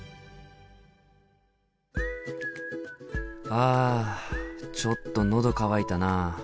あちょっと喉渇いたな。